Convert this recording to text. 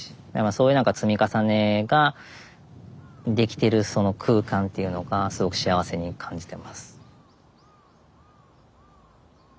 そういう積み重ねができてるその空間っていうのがすごく幸せに感じてます。